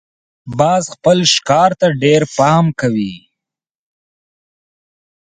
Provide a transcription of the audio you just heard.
باز خپل ښکار ته ډېر پام کوي